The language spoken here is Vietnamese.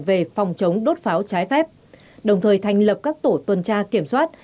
về phòng chống đốt pháo trái phép đồng thời thành lập các tổ tuần tra kiểm soát